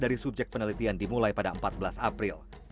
dari subjek penelitian dimulai pada empat belas april